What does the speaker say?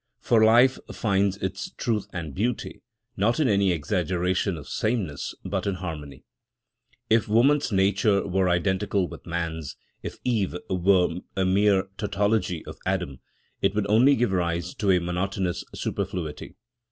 For life finds its truth and beauty, not in any exaggeration of sameness, but in harmony. If woman's nature were identical with man's, if Eve were a mere tautology of Adam, it would only give rise to a monotonous superfluity.